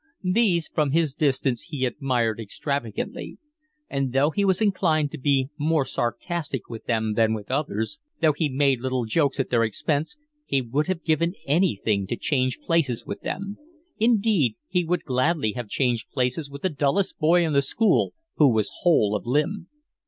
These from his distance he admired extravagantly; and though he was inclined to be more sarcastic with them than with others, though he made little jokes at their expense, he would have given anything to change places with them. Indeed he would gladly have changed places with the dullest boy in the school who was whole of limb.